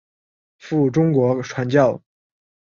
赴中国传教。